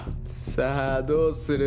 さあどうする？